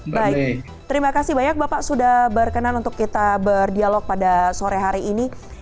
baik terima kasih banyak bapak sudah berkenan untuk kita berdialog pada sore hari ini